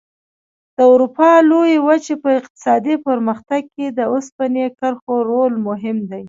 د اروپا لویې وچې په اقتصادي پرمختګ کې د اوسپنې کرښو رول مهم دی.